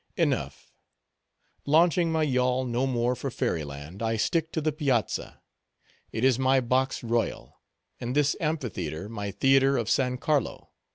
—Enough. Launching my yawl no more for fairy land, I stick to the piazza. It is my box royal; and this amphitheatre, my theatre of San Carlo.